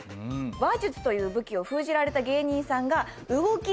話術という武器を封じられた芸人さんが動き。